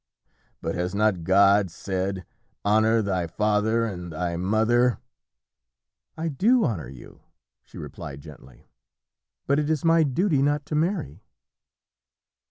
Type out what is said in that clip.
But has not God said, 'Honour thy father and thy mother?'" "I do honour you," she replied gently. "But it is my duty not to marry."